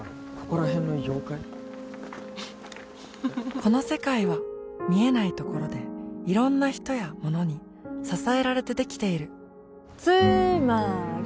この世界は見えないところでいろんな人やものに支えられてできているつーまーり！